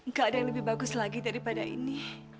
gak ada yang lebih bagus lagi daripada ini